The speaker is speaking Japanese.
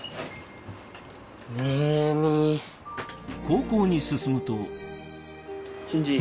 高校に進むと隼司。